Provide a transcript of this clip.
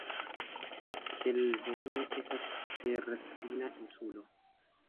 Kelvenne estas terspina insulo.